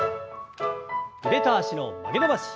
腕と脚の曲げ伸ばし。